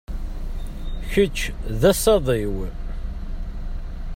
Kečč d asaḍ-iw.